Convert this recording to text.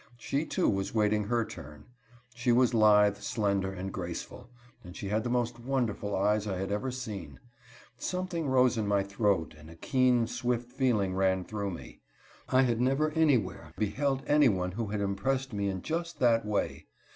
She, too, was waiting her turn. She was lithe, slender, and graceful, and she had the most wonderful eyes I had ever seen. Something rose in my throat and a keen, swift feeling ran through me. I had never anywhere beheld anyone who had impressed me in just that way.